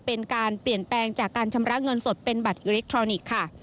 เป็นการเปลี่ยนแปลงจากการชำระเงินสดเป็นบัตรอิเล็กทรอนิกส์ค่ะ